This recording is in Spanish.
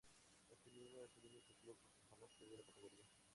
Asimismo, es el único club que jamás perdió la categoría.